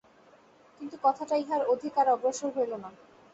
কিন্তু কথাটা ইহার অধিক আর অগ্রসর হইল না।